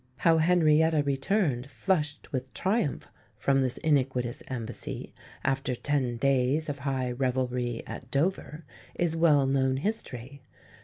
How Henrietta returned flushed with triumph from this iniquitous embassy, after ten days of high revelry at Dover, is well known history.